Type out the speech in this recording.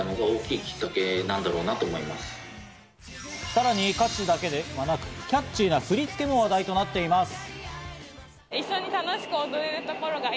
さらに歌詞だけではなくキャッチーな振り付けも話題となっています。